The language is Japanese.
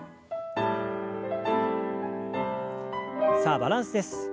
さあバランスです。